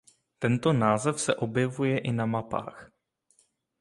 Tento název se objevuje i na mapách.